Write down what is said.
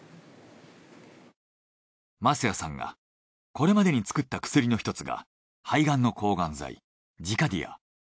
舛屋さんがこれまでに作った薬のひとつが肺がんの抗がん剤ジカディア。